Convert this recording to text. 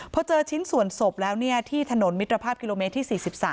พอเจอชิ้นส่วนศพแล้วที่ถนนมิตรภาพกิโลเมตรที่๔๓